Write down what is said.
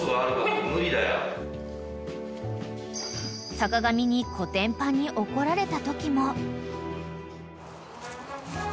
［坂上にこてんぱんに怒られたときも］